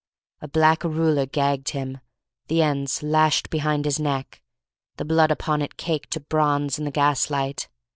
A black ruler gagged him, the ends lashed behind his neck, the blood upon it caked to bronze in the gaslight.